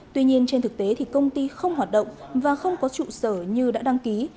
tuy nhiên trên thực tế thì công ty không hoạt động và không có trụ sở như đã đăng ký